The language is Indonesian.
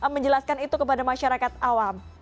menjelaskan itu kepada masyarakat awam